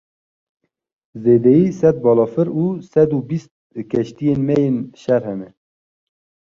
Zêdeyî sed balafir û sed û bîst keştiyên me yên şer hene.